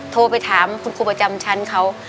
โทรไปถามคุณครูประจำชั้นเขา